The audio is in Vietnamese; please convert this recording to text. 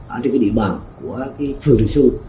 ở trên địa bàn của phường thị xu